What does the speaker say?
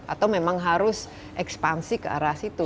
atau memang harus ekspansi ke arah situ